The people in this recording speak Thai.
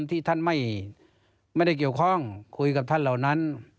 ที่ท่านไม่ได้เกี่ยวข้องคุยกับท่านเหล่านั้น